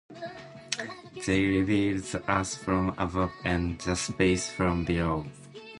They reveal the Earth from above and the Space from below.